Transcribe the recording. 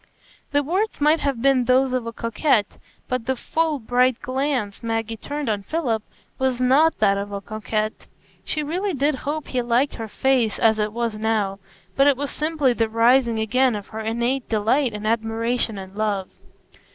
The words might have been those of a coquette, but the full, bright glance Maggie turned on Philip was not that of a coquette. She really did hope he liked her face as it was now, but it was simply the rising again of her innate delight in admiration and love.